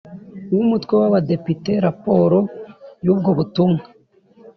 w Umutwe w Abadepite raporo y ubwo butumwa